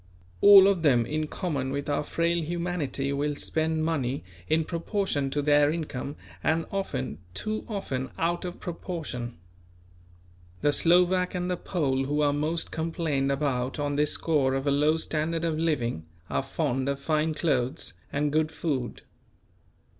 All of them in common with our frail humanity will spend money in proportion to their income and often, too often, out of proportion. The Slovak and the Pole who are most complained about on this score of a low standard of living, are fond of fine clothes and good food.